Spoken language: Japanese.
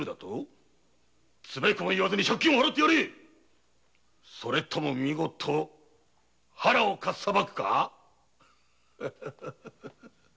ツベコベ言わずに借金払ってやれそれとも見事腹をかっさばくか？